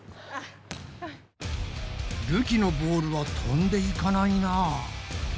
るきのボールはとんでいかないな。